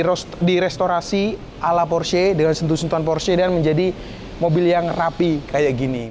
di restorasi ala porsche dengan sentuh sentuhan porsche dan menjadi mobil yang rapi kayak gini